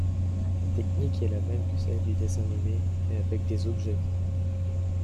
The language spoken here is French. La technique est la même que celle du dessin animé, mais avec des objets.